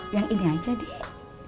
yang ini aja dek